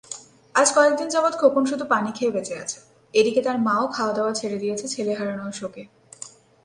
আজ কয়েক দিন যাবত খোকন শুধু পানি খেয়ে বেঁচে আছে, এদিকে তার মাও খাওয়া দাওয়া ছেড়ে দিয়েছে ছেলে হারানোর শোকে।